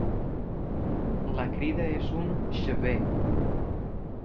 La crida és un "chee-veee".